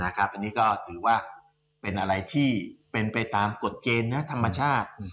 อันนี้ก็ถือว่าเป็นอะไรที่เป็นไปตามกฎเกณฑ์ธรรมชาติ